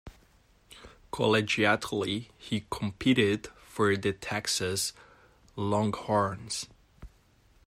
Collegiately, he competed for the Texas Longhorns.